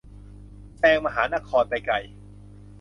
แซงมหานครไปไกล